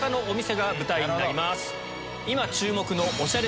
今注目のおしゃれ